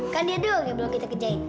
kan dia doang yang belum kita kerjain